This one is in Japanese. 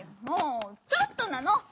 もう「ちょっと」なの？